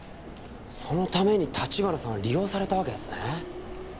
そのために立花さんは利用されたわけですね。